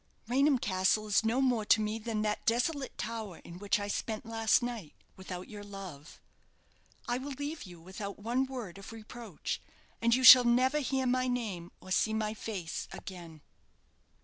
Raynham Castle is no more to me than that desolate tower in which I spent last night without your love. I will leave you without one word of reproach, and you shall never hear my name, or see my face again."